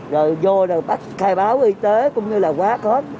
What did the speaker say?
rồi vô rồi bắt khai báo y tế cũng như là quá có